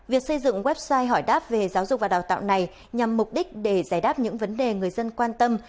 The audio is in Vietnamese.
việc xây dựng website hỏi đáp về giáo dục và đào tạo này nhằm mục đích để giải đáp những vấn đề người dân quan tâm